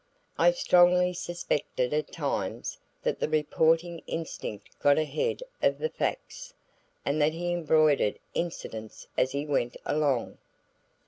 I strongly suspected at times that the reporting instinct got ahead of the facts, and that he embroidered incidents as he went along.